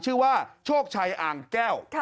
ชื่อว่าโชคชัยอ่างแก้ว